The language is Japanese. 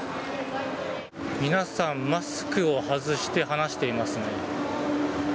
皆さん、マスクを外して話していますね。